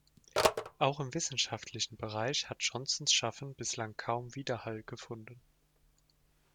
Auch im wissenschaftlichen Bereich hat Johnsons Schaffen bislang kaum Widerhall gefunden.